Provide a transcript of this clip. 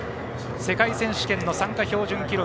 世界選手権の参加標準記録